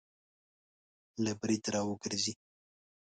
له برید را وګرځي